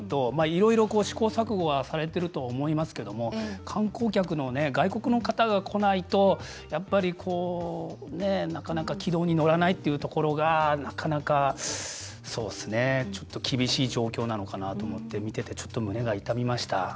いろいろ、試行錯誤はされてるとは思いますけども観光客の外国の方が来ないとやっぱり、なかなか軌道に乗らないっていうところがなかなか、ちょっと厳しい状況なのかなと思って見てて、ちょっと胸が痛みました。